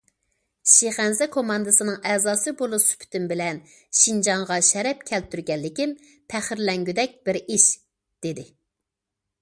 شىخەنزە كوماندىسىنىڭ ئەزاسى بولۇش سۈپىتىم بىلەن شىنجاڭغا شەرەپ كەلتۈرگەنلىكىم پەخىرلەنگۈدەك بىر ئىش، دېدى.